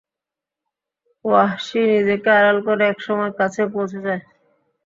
ওয়াহশী নিজেকে আড়াল করে এক সময় কাছে পৌঁছে যায়।